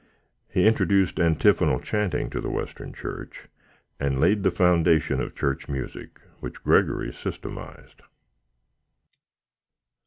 He introduced antiphonal chanting into the Western Church, and laid the foundation of Church music, which Gregory systematised.